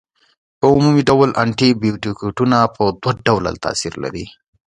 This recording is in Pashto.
په عمومي ډول انټي بیوټیکونه په دوه ډوله تاثیر کوي.